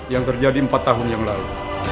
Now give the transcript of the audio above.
yang terjadi empat tahun yang lalu